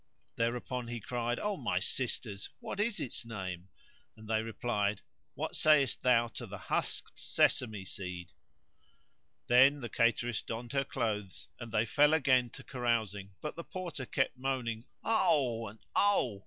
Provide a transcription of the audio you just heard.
Thereupon he cried, "O my sisters, what is its name?" and they replied, "What sayest thou to the husked sesame seed?" Then the cateress donned her clothes and they fell again to carousing, but the Porter kept moaning, "Oh! and Oh!"